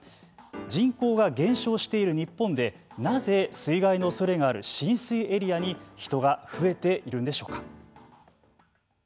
人口が減少している日本でなぜ、水害のおそれがある浸水エリアに人が増えているのでしょうか。